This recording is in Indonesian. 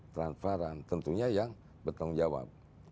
transparan tentunya yang bertanggung jawab